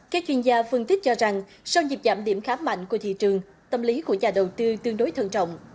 các chuyên gia phân tích cho rằng sau nhịp giảm điểm khá mạnh của thị trường tâm lý của nhà đầu tư tương đối thân trọng